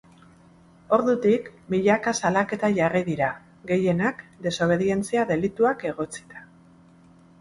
Ordutik, milaka salaketa jarri dira, gehienak desobedientzia delituak egotzita.